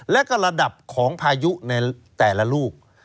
และก็ระดับของพายุในแต่ละลูก